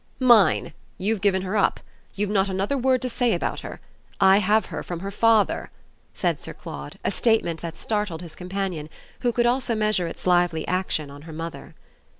"Mine. You've given her up. You've not another word to say about her. I have her from her father," said Sir Claude a statement that startled his companion, who could also measure its lively action on her mother.